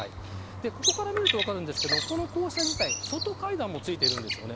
ここから見ると分かりますがこの校舎自体外階段がついてるんですね。